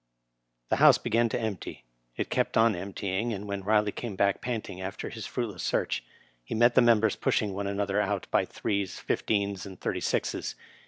The House began to empty, it kept on emptying, and when Biley came back panting after his fruitless search, he met the members pushing one another out by threes, fifteens, and thirty sixes.